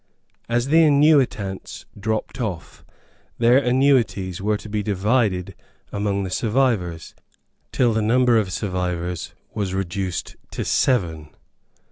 As the annuitants dropped off, their annuities were to be divided among the survivors, till the number of survivors was reduced to seven.